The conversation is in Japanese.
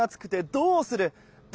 どうする？